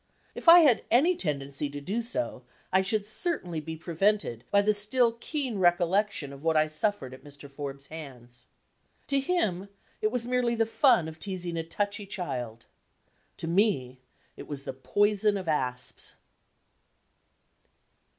If I had any tendency to do so, I should certainly be prevented by the still keen recollection of what I suffered at Mr. Forbes' hands. To him, it was merely the "fun" of teasing a "touchy" child. To me, it was the poison of asps.